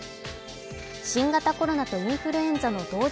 新型コロナとインフルエンザの同時